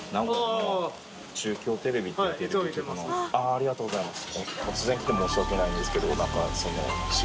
ありがとうございます。